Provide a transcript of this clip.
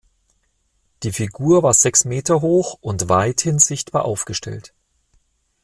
Die Figur war sechs Meter hoch und weithin sichtbar aufgestellt.